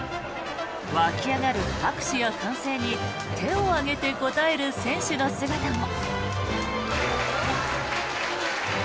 湧き上がる拍手や歓声に手を上げて応える選手の姿も。